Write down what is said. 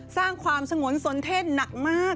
สร้างความสงวนสนเทศหนักมาก